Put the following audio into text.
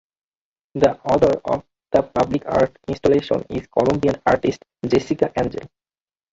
The author of the public art installation is Colombian artist Jessica Angel.